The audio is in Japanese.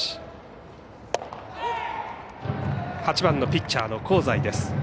８番のピッチャーの香西です。